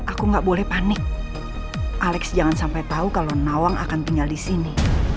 aku nggak boleh panik alex jangan sampai tahu kalau nawang akan tinggal di sini